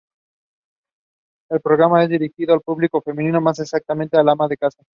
El programa es dirigido al público femenino, más exactamente a las amas de casa.